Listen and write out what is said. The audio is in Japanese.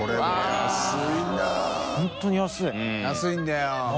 安いんだよ。